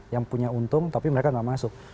yang punya untung tapi mereka tidak masuk